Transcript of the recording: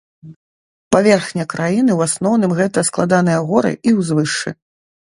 Паверхня краіны ў асноўным гэта складаныя горы і ўзвышшы.